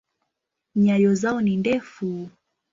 Nyayo zao ni ndefu.